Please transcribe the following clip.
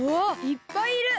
いっぱいいる！